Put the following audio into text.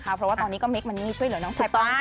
เพราะว่าตอนนี้ก็เมคมันนี่ช่วยเหลือน้องชายต้อง